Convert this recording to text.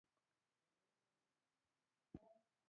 دارالخلافه یې لومړی کوفې او بیا دمشق ته انتقال کړې وه.